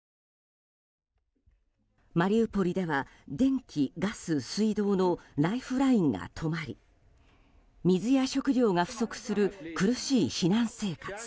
マリウポリでは電気・ガス・水道のライフラインが止まり水や食料が不足する苦しい避難生活。